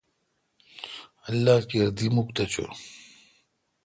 اللہ کیر دیرک تھ چو۔